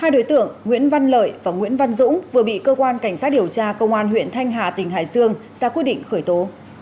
hai đối tượng nguyễn văn lợi và nguyễn văn dũng vừa bị cơ quan cảnh sát điều tra công an huyện thanh hà tỉnh hải dương ra quyết định khởi tố